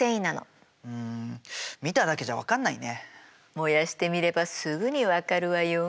燃やしてみればすぐに分かるわよ。